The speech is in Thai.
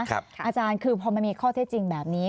อาจารย์คือพอมันมีข้อเท็จจริงแบบนี้